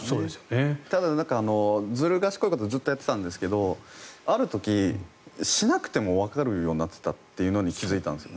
ただ、ずる賢いことをずっとやっていたんですけどある時、しなくてもわかるようになっていたというのに気付いたんです。